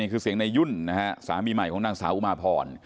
คือเสียงในยุ่นนะฮะสามีใหม่ของนางสาวอุมาพร